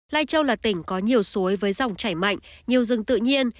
lifechâu là tỉnh có nhiều suối với dòng chảy mạnh nhiều rừng tự nhiên